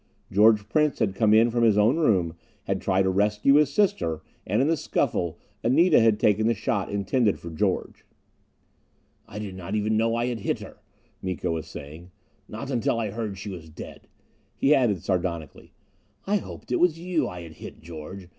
George Prince had come in from his own room, had tried to rescue his sister, and in the scuffle, Anita had taken the shot intended for George. "I did not even know I had hit her," Miko was saying. "Not until I heard she was dead." He added sardonically, "I hoped it was you I had hit, George.